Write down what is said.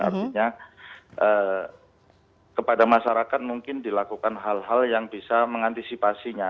artinya kepada masyarakat mungkin dilakukan hal hal yang bisa mengantisipasinya